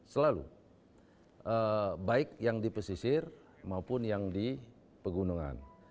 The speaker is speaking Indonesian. selalu baik yang di pesisir maupun yang di pegunungan